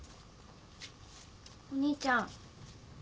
お兄ちゃん。